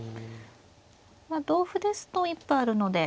まあ同歩ですと一歩あるので。